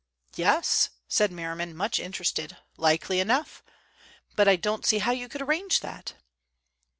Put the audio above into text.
"Yes!" said Merriman, much interested. "Likely enough. But I don't see how you could arrange that."